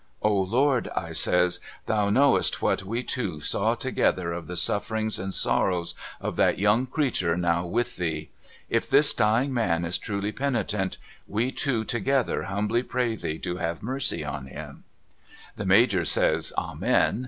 ' O Lord ' I says ' Thou knowest what we two saw together of the sufferings and sorrows of that young creetur now with Thee. If this dying man is truly penitent, we two together humbly pray Thee to have mercy on him I ' The Major says ' Amen